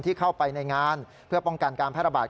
เข้าไปในงานเพื่อป้องกันการแพร่ระบาด